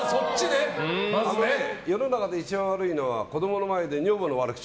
世の中で一番悪いのは子供の前で女房の悪口。